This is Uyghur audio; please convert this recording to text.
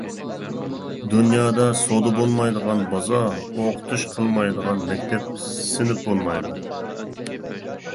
دۇنيادا سودا بولمايدىغان بازار، ئوقۇتۇش قىلمايدىغان مەكتەپ، سىنىپ بولمايدۇ.